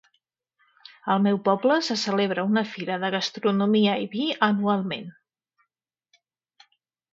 Al meu poble, se celebra una fira de gastronomia i vi anualment.